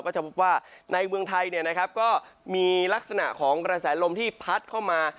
ก็จะพบว่าในเมืองไทยก็มีลักษณะของกระแสลมที่พัดเข้ามา